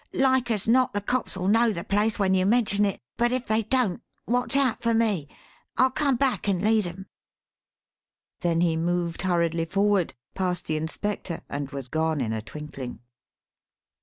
Like as not the cops'll know the place when you mention it; but if they don't watch out for me; I'll come back and lead 'em." Then he moved hurriedly forward, passed the inspector, and was gone in a twinkling.